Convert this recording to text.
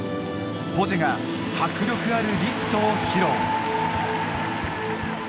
ポジェが迫力あるリフトを披露